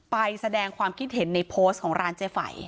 ไปแสดงความคิดเห็นในโพสต์ของร้านเจ๊ไฝ